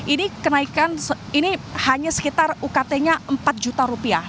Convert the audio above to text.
ini kenaikan ini hanya sekitar ukt nya empat juta rupiah